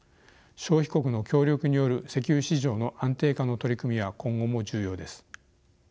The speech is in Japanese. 消費国の協力による石油市場の安定化の取り組みは今後も重要です。